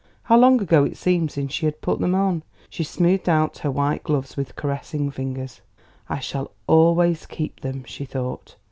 How long ago it seemed since she had put them on. She smoothed out her white gloves with caressing fingers. "I shall always keep them," she thought.